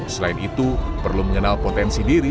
selain itu perlu mengenal potensi diri